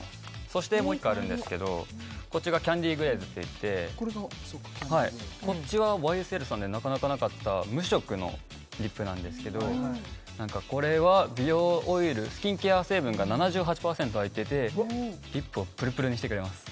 そしてもう一個あるんですけどこっちがキャンディグレーズっていってこっちはＹＳＬさんでなかなかなかった無色のリップなんですけどこれは美容オイルスキンケア成分が７８％入っててリップをプルプルにしてくれます